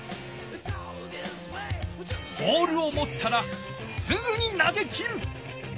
ボールをもったらすぐになげきる。